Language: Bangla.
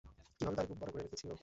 কিভাবে দাড়ি-গোঁফ বড় করে রেখেছি ও!